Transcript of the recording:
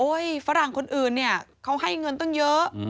โอ๊ยฝรั่งคนอื่นเขาให้เงินต้องเยอะ